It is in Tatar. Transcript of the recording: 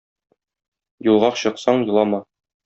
Юлга чыксаң елама.